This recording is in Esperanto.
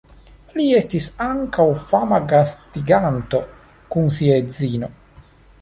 Li estis ankaŭ fama gastiganto kun sia edzino.